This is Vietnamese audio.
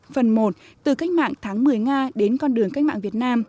phần một từ cách mạng tháng một mươi nga đến con đường cách mạng việt nam